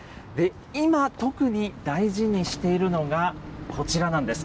今、特に大事にしているのが、こちらなんです。